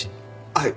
はい。